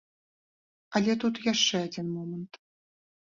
Але тут і яшчэ адзін момант.